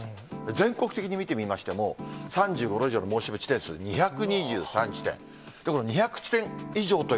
全国的に見てみましても、３５度以上の猛暑日の地点数２２３地点。